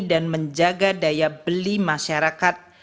dan menjaga daya beli masyarakat